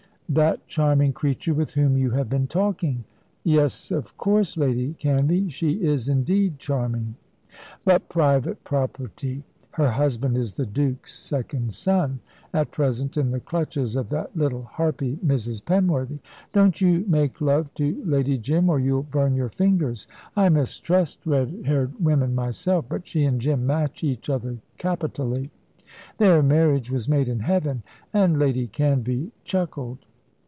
"That charming creature with whom you have been talking." "Yes, of course, Lady Canvey. She is indeed charming." "But private property. Her husband is the Duke's second son, at present in the clutches of that little harpy, Mrs. Penworthy. Don't you make love to Lady Jim, or you'll burn your fingers. I mistrust red haired women, myself. But she and Jim match each other capitally. Their marriage was made in heaven"; and Lady Canvey chuckled.